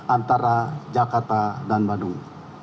antara jakarta dan bandung